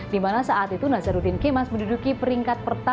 di mana saat itu nazaruddin kemas menduduki peringkat pertempatan